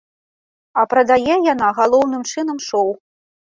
А прадае яна, галоўным чынам, шоў.